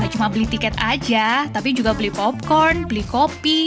cuma beli tiket aja tapi juga beli popcorn beli kopi